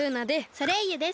ソレイユです。